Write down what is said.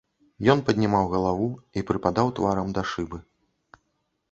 Ён паднімаў галаву і прыпадаў тварам да шыбы.